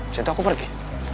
situ aku pergi